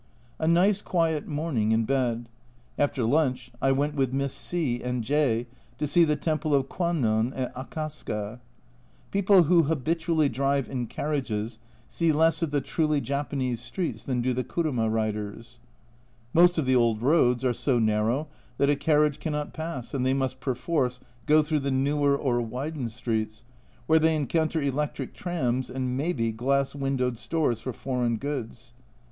A nice quiet morning in bed ; after lunch I went with Miss C and J to see the temple of Kwannon at Akasaka. People who habitually drive in carriages see less of the truly Japanese streets than do the kuruma riders. Most of the old roads are so narrow that a carriage cannot pass, and they must perforce go through the newer or widened streets, where they encounter electric trams and maybe glass windowed stores for "Foreign Goods."